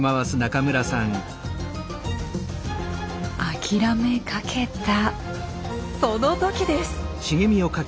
諦めかけたその時です。